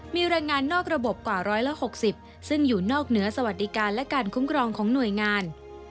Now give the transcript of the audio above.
มีแรงงานนอกระบบกว่า๑๖๐ซึ่งอยู่นอกเหนือสวัสดิการและการคุ้มครองของหน่วยงาน